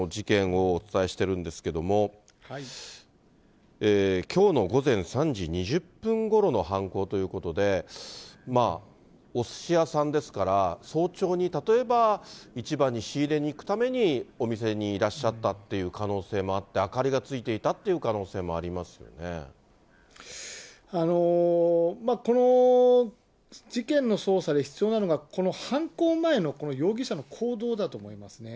連日、このような事件をお伝えしてるんですけれども、きょうの午前３時２０分ごろの犯行ということで、おすし屋さんですから、早朝に例えば市場に仕入れに行くために、お店にいらっしゃったっていう可能性もあって、明かりがついていたという可能性この事件の捜査で必要なのが、この犯行前のこの容疑者の行動だと思いますね。